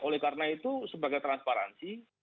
oleh karena itu sebagai transparansi